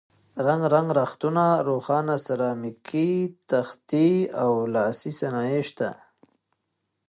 رنګ رنګ رختونه، روښانه سرامیکي تختې او لاسي صنایع شته.